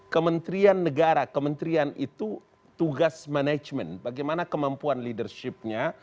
kementerian negara kementerian itu tugas manajemen bagaimana kemampuan leadershipnya